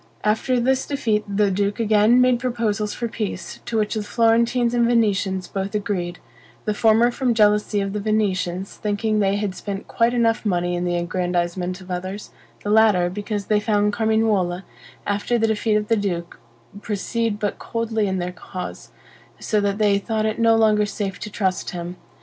After this defeat the duke again made proposals for peace, to which the Florentines and Venetians both agreed; the former from jealousy of the Venetians, thinking they had spent quite enough money in the aggrandizement of others; the latter, because they found Carmignuola, after the defeat of the duke, proceed but coldly in their cause; so that they thought it no longer safe to trust him.